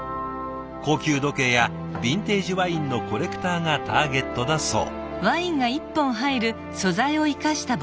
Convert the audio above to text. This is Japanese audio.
高級時計やビンテージワインのコレクターがターゲットだそう。